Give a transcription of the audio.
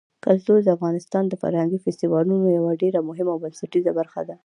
کلتور د افغانستان د فرهنګي فستیوالونو یوه ډېره مهمه او بنسټیزه برخه ده.